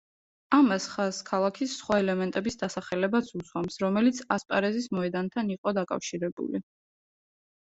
ამას ხაზს ქალაქის სხვა ელემენტების დასახელებაც უსვამს, რომელიც ასპარეზის მოედანთან იყო დაკავშირებული.